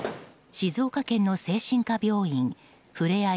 静岡県の精神科病院ふれあい